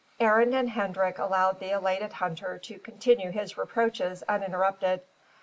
Arend and Hendrik allowed the elated hunter to continue his reproaches uninterrupted.